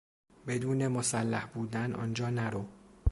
بدون مسلح بودن آنجا نرو!